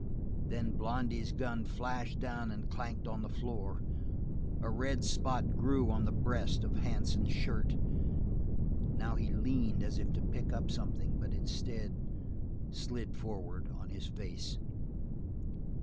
Then Blondy's gun flashed down and clanked on the floor. A red spot grew on the breast of Hansen's shirt; now he leaned as if to pick up something, but instead, slid forward on his face.